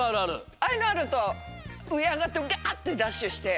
ああいうのあるとうえあがってビャッてダッシュして。